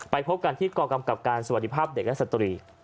ไปพบกันที่กรกรรมกรรมการสวัสดิภาพเด็กและสตรี